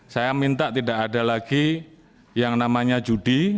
saya minta tidak ada lagi yang namanya judi